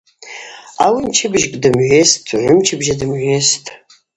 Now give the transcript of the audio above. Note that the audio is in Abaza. Ауи мчыбжьыкӏ дымгӏвайситӏ, гӏвымчыбжьа дымгӏвайситӏ.